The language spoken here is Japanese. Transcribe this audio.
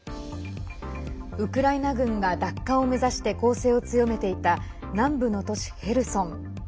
ウクライナ軍が奪還を目指して攻勢を強めていた南部の都市ヘルソン。